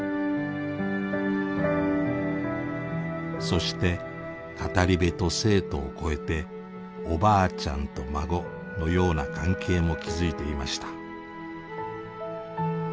そして語り部と生徒を超えておばあちゃんと孫のような関係も築いていました。